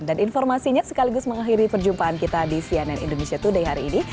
dan informasinya sekaligus mengakhiri perjumpaan kita di cnn indonesia today hari ini